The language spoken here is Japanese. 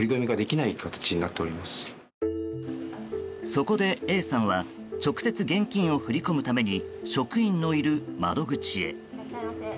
そこでＡさんは直接、現金を振り込むために職員のいる窓口へ。